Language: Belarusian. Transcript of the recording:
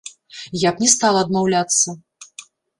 Я б не стала адмаўляцца.